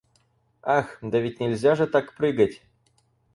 Ах, да ведь нельзя же так прыгать!